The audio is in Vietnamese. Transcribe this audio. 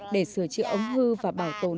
để sửa chữa ống hư và bảo tồn